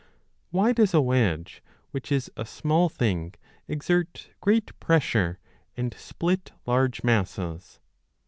Why does a wedge, which is a small thing, exert great pressure and split large masses